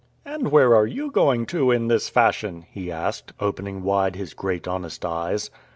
"And where are you going to in this fashion?" he asked, opening wide his great honest eyes.